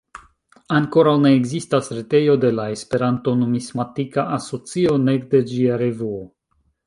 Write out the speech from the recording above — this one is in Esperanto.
Ankoraŭ ne ekzistas retejo de la Esperanto-Numismatika Asocio, nek de ĝia revuo.